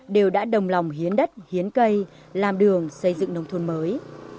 đều đã đồng lòng hiến đất hiến cây làm đường xây dựng nông thôn mới